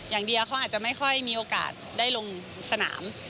อย่างเดียวเขาอาจจะไม่ค่อยมีโอกาสได้ลงสนาม